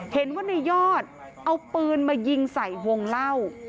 เห็นว่าในยอดเอาปืนมายิงใส่วงเล่า